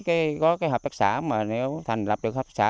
có hợp tác xã mà nếu thành lập được hợp tác xã